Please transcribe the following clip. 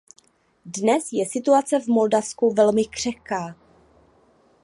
Dnes je situace v Moldavsku velmi křehká.